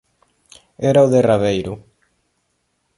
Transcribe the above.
Era o derradeiro.